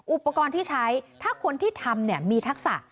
อุปกรณ์ที่ใช้ถ้าคนที่ทำมีทักษะ